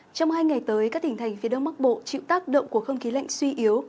trong hai ngày tới các tỉnh thành phía đông bắc bộ chịu tác động của không khí lạnh suy yếu